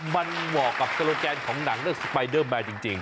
มันเหมาะกับโซโลแกนของหนังเรื่องสไปเดอร์แมนจริง